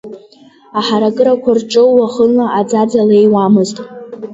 Аҳаракырақәа рҿы уахынла аӡаӡа леиуамызт.